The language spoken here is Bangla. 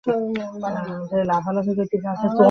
অতপর হিন্দু কলেজে ভর্তি হন।